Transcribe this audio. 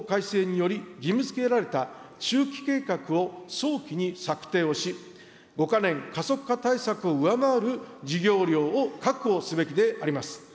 同時に、通常国会での国土強じん化基本法改正により、義務づけられた中期計画を早期に策定をし、５か年加速化対策を上回る事業量を確保すべきであります。